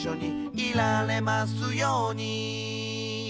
「いられますように」